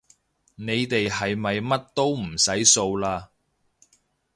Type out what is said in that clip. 你哋係咪乜都唔使掃嘞